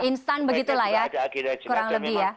instan begitulah ya kurang lebih ya